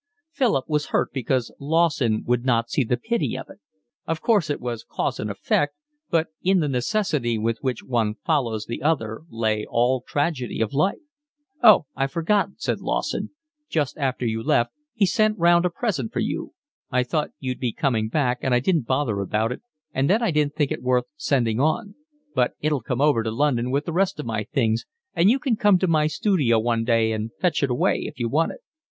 Philip was hurt because Lawson would not see the pity of it. Of course it was cause and effect, but in the necessity with which one follows the other lay all tragedy of life. "Oh, I'd forgotten," said Lawson. "Just after you left he sent round a present for you. I thought you'd be coming back and I didn't bother about it, and then I didn't think it worth sending on; but it'll come over to London with the rest of my things, and you can come to my studio one day and fetch it away if you want it."